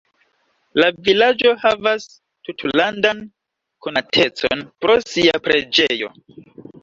La vilaĝo havas tutlandan konatecon pro sia preĝejo.